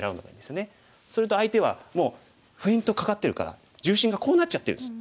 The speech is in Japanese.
すると相手はもうフェイントかかってるから重心がこうなっちゃってるんです。